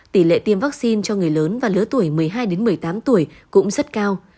tỷ lệ tiêm vaccine cho người lớn và lứa tuổi một mươi hai một mươi tám tuổi cũng rất cao